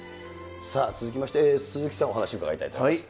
さあ続きまして、鈴木さん、お話伺いたいと思います。